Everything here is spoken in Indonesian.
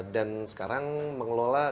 dan sekarang mengelola